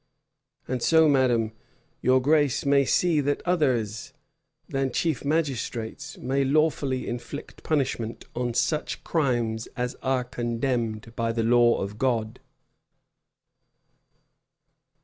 And so, madam, your grace may see that others than chief magistrates may lawfully inflict punishment on such crimes as are condemned by the law of God."